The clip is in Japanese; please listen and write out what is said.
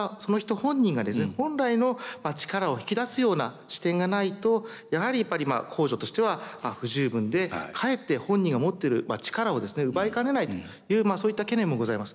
本来の力を引き出すような視点がないとやはりやっぱりまあ公助としては不十分でかえって本人が持ってる力をですね奪いかねないというそういった懸念もございます。